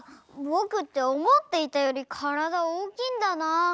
ぼくっておもっていたより体大きいんだな。